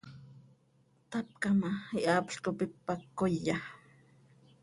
Tapca ma, ihaapl cop ipac coya.